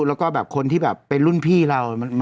แล้วก็แบบคนที่แบบเป็นรุ่นพี่เรา